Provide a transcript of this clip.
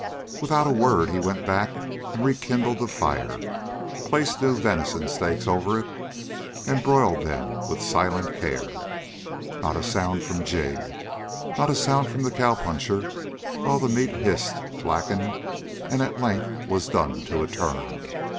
Without a word he went back and rekindled the fire, placed new venison steaks over it, and broiled them with silent care. Not a sound from Jig, not a sound from the cowpuncher, while the meat hissed, blackened, and at length was done to a turn.